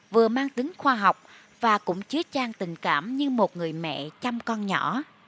vừa mang tính khoa học và cũng chứa trang tình cảm như một người mẹ chăm con nhỏ